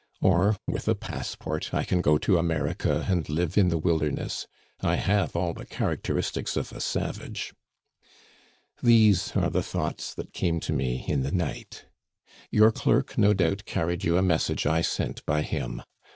Or, with a passport, I can go to America and live in the wilderness. I have all the characteristics of a savage. "These are the thoughts that came to me in the night. Your clerk, no doubt, carried you a message I sent by him.